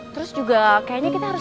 terus juga kayaknya kita harus